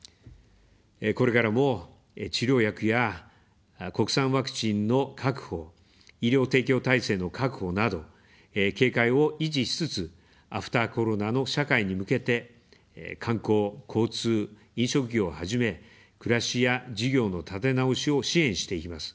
これからも治療薬や国産ワクチンの確保、医療提供体制の確保など警戒を維持しつつ、アフターコロナの社会に向けて、観光、交通、飲食業をはじめ、暮らしや事業の立て直しを支援していきます。